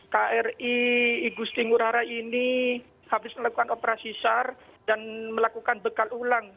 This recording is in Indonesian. kri igusti ngurah rai ini habis melakukan operasi sar dan melakukan bekal ulang